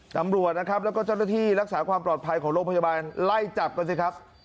ตำรวจนะครับแล้วก็เจ้าหน้าที่รักษาความปลอดภัยของโรงพยาบาลไล่จับกันสิครับ